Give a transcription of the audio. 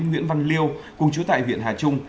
nguyễn văn liêu cùng chú tại huyện hà trung